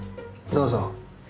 どうぞ。